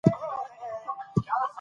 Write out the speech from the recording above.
نثر حقایق بیانوي.